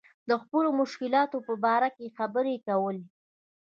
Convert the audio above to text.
د خپلو مشکلاتو په باره کې خبرې کول.